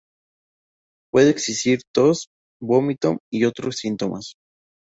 Puede existir tos, vómitos y otros síntomas.